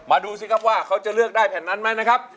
ดูสิครับว่าเขาจะเลือกได้แผ่นนั้นไหมนะครับ